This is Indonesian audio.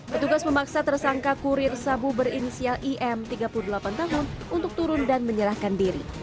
petugas memaksa tersangka kurir sabu berinisial im tiga puluh delapan tahun untuk turun dan menyerahkan diri